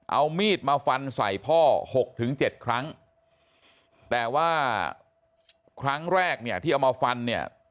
เอามีดมาฟันใส่พ่อหกถึงเจ็ดครั้งแต่ว่าครั้งแรกเนี่ยที่เอามาฟันเนี่ย